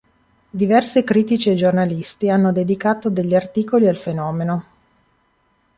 Diversi critici e giornalisti hanno dedicato degli articoli al fenomeno.